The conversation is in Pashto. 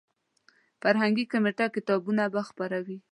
فرهنګي کمیټه کتابونه به خپروي.